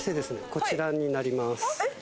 こちらになりますえっ